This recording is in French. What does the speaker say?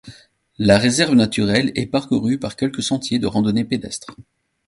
La réserve naturelle est parcourue par quelques sentiers de randonnée pédestre.